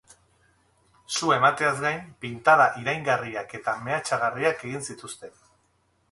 Sua emateaz gain, pintada iraingarriak eta mehatxagarriak egin zituzten.